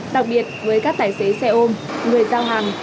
đặc biệt với các tài xế xe ôm người giao hàng